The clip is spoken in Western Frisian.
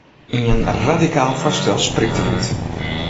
Ien ‘radikaal’ foarstel springt derút.